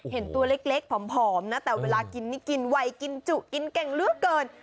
เห็นตัวเล็กผอมนะแต่เวลากินนี่กินไวกินจุกินเก่งเหลือเกิน